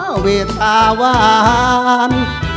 ความว่าเวทาวาน